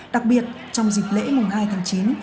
đặc biệt trong dịp lễ mùng hai tháng chín